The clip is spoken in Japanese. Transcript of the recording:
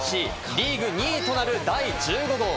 リーグ２位となる第１５号。